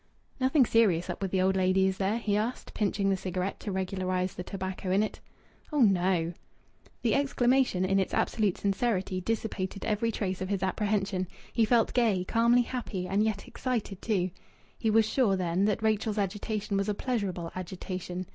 "Nothing serious up with the old lady, is there?" he asked, pinching the cigarette to regularize the tobacco in it. "Oh, no!" The exclamation in its absolute sincerity dissipated every trace of his apprehension. He felt gay, calmly happy, and yet excited too. He was sure, then, that Rachel's agitation was a pleasurable agitation.